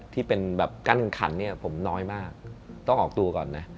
ที่เป็นแบบกั้นขันเนี่ยผมน้อยมากต้องออกตัวก่อนนะ